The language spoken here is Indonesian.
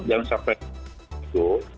jangan sampai begitu